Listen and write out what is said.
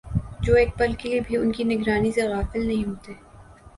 جو ایک پل کے لیے بھی ان کی نگرانی سے غافل نہیں ہوتے